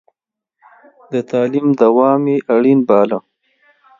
د تعليم دوام يې اړين باله.